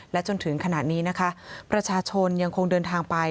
จนถึงขณะนี้นะคะประชาชนยังคงเดินทางไป